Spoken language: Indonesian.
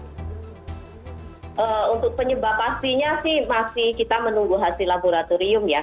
untuk penyebab pastinya sih masih kita menunggu hasil laboratorium ya